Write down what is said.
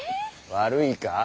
⁉悪いか？